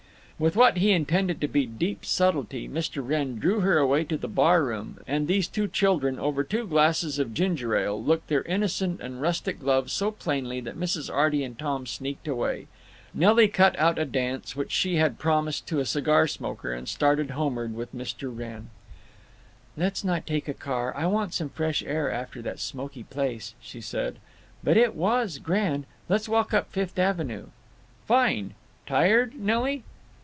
With what he intended to be deep subtlety Mr. Wrenn drew her away to the barroom, and these two children, over two glasses of ginger ale, looked their innocent and rustic love so plainly that Mrs. Arty and Tom sneaked away. Nelly cut out a dance, which she had promised to a cigar maker, and started homeward with Mr. Wrenn. "Let's not take a car—I want some fresh air after that smoky place," she said. "But it was grand…. Let's walk up Fifth Avenue." "Fine…. Tired, Nelly?"